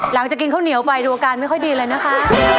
หลังจากกินข้าวเหนียวไปดูอาการไม่ค่อยดีเลยนะคะ